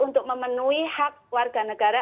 untuk memenuhi hak warga negara